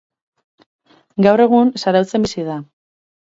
Gaur egun, Zarautzen bizi da.